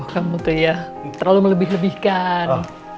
kamu tuh ya terlalu melebih lebihkan